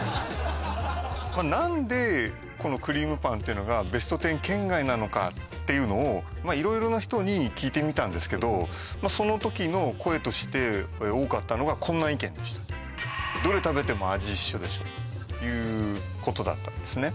何でクリームパンっていうのがベスト１０圏外なのかっていうのを色々な人に聞いてみたんですけどその時の声として多かったのがこんな意見でしたということだったんですね